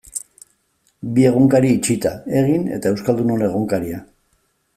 Bi egunkari itxita, Egin eta Euskaldunon Egunkaria.